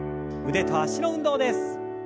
腕と脚の運動です。